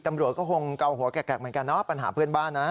ตำรวจก็คงเกาหัวแกรกเหมือนกันเนาะปัญหาเพื่อนบ้านนะ